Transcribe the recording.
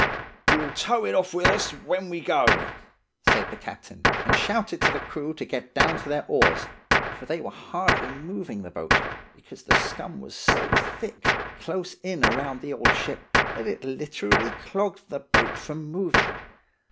"'We'll tow it off with us, when we go,' said the captain, and shouted to the crew to get down to their oars; for they were hardly moving the boat, because the scum was so thick, close in around the old ship, that it literally clogged the boat from moving.